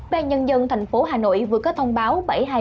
bàn nhân dân thành phố hà nội vừa có thông báo bảy trăm hai mươi bốn